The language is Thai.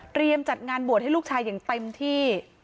จัดงานบวชให้ลูกชายอย่างเต็มที่